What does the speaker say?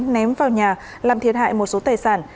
ném vào nhà làm thiệt hại một số tài sản